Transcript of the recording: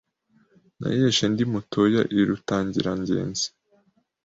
Nayeshe ndi mutoya i Rutangirangenzi